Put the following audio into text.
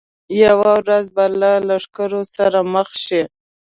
یوه ورځ به له ښکرور سره مخ شي.